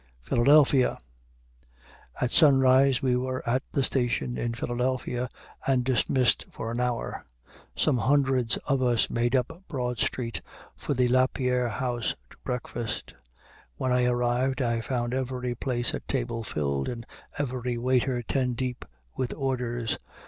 PHILADELPHIA At sunrise we were at the station in Philadelphia, and dismissed for an hour. Some hundreds of us made up Broad Street for the Lapierre House to breakfast. When I arrived, I found every place at table filled and every waiter ten deep with orders.